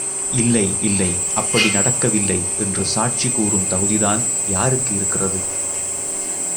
இல்லை, இல்லை அப்படி நடக்கவில்லை என்று சாட்சி கூறும் தகுதிதான் யாருக்கு இருக்கிறது?